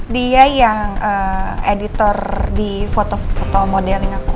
dia yang editor di foto foto modeling aku